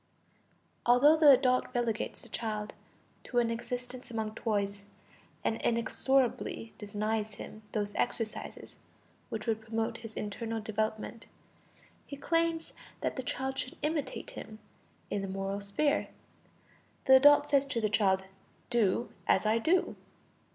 Although the adult relegates the child to an existence among toys, and inexorably denies him those exercises which would promote his internal development, he claims that the child should imitate him in the moral sphere. The adult says to the child: "Do as I do."